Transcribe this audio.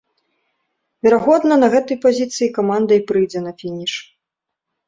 Верагодна, на гэтай пазіцыі каманда і прыйдзе на фініш.